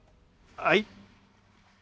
はい。